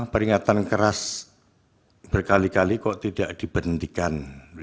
peringatan keras berkali kali kok tidak diberhentikan